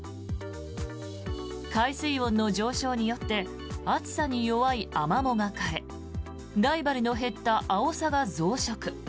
海水温の上昇によって暑さに弱いアマモが枯れライバルの減ったアオサが増殖。